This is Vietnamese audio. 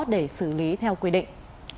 để xử lý theo quy định